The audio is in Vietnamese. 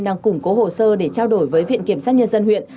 đang củng cố hồ sơ để trao đổi với viện kiểm sát nhân dân huyện